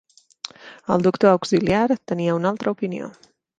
El doctor auxiliar tenia una altra opinió.